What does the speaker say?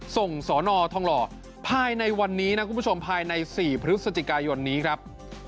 สอนอทองหล่อภายในวันนี้นะคุณผู้ชมภายใน๔พฤศจิกายนนี้ครับ